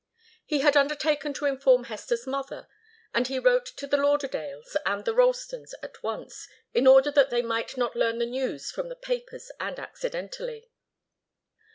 He had undertaken to inform Hester's mother, and he wrote to the Lauderdales and the Ralstons at once, in order that they might not learn the news from the papers and accidentally.